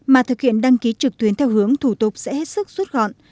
mà thực hiện đăng ký trực tuyến theo hướng thủ tục sẽ hết sức rút gọn